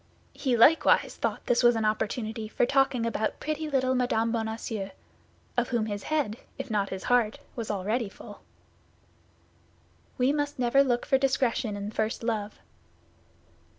He likewise thought this was an opportunity for talking about pretty little Mme. Bonacieux, of whom his head, if not his heart, was already full. We must never look for discretion in first love.